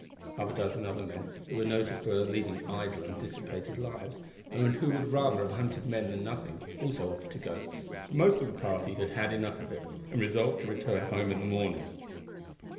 Half a dozen other men, who were noted for leading idle and dissipated lives, and who would rather have hunted men than nothing, also offered to go, but the most of the party had had enough of it, and resolved to return home in the morning.